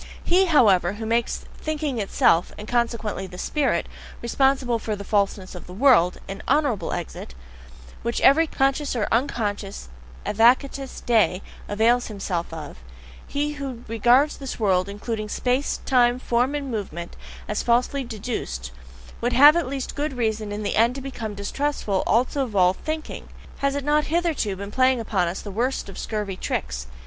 He, however, who makes thinking itself, and consequently "the spirit," responsible for the falseness of the world an honourable exit, which every conscious or unconscious advocatus dei avails himself of he who regards this world, including space, time, form, and movement, as falsely DEDUCED, would have at least good reason in the end to become distrustful also of all thinking; has it not hitherto been playing upon us the worst of scurvy tricks?